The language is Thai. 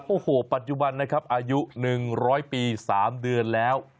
โอ้โหปัจจุบันนะครับอายุ๑๐๐ปี๓เดือนแล้ว